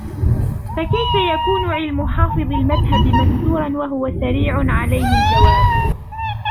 فَكَيْفَ يَكُونُ عِلْمُ حَافِظِ الْمَذْهَبِ مَسْتُورًا وَهُوَ سَرِيعٌ عَلَيْهِ الْجَوَابُ